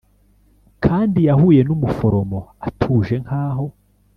kandi yahuye numuforomo, atuje nkaho